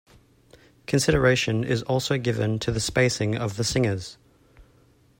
Consideration is also given to the spacing of the singers.